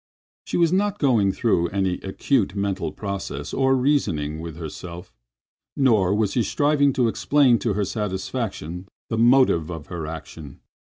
She was not going through any acute mental process or reasoning with herself, nor was she striving to explain to her satisfaction the motive of her action.